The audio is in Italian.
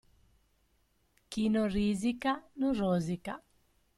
Chi non risica non rosica.